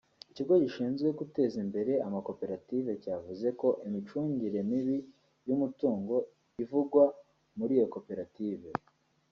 Ikigo gishinzwe guteza imbere amakoperative cyavuze ko imicungire mibi y’umutungo ivungwa muri iyo Koperative